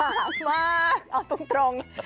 ระบะมากเอาตรง